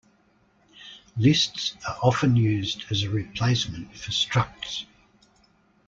Lists are often used as a replacement for structs.